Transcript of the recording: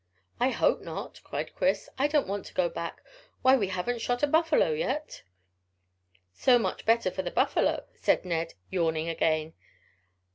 "I hope not," cried Chris. "I don't want to go back. Why, we haven't shot a buffalo yet." "So much the better for the buffalo," said Ned, yawning again.